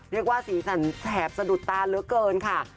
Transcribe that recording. เรียกว่าสีสันแสบสะดุดตาเหลือเกินค่ะ